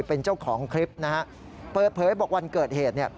เปิดเผยบอกวันเกิดเหตุ